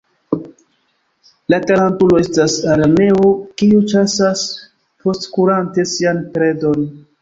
La tarantulo estas araneo, kiu ĉasas postkurante sian predon.